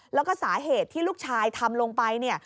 แล้วก็สาเหตุที่ลูกชายทำลงไปเนี่ย